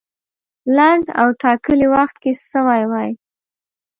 لنډ او ټاکلي وخت کې سوی وای.